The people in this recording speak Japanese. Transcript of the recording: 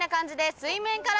水面から。